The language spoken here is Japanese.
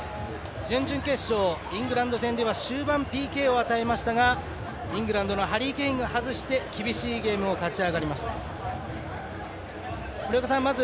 準々決勝、イングランド戦では終盤、ＰＫを与えましたがイングランドのハリー・ケインが外して厳しいゲームを勝ち取りました。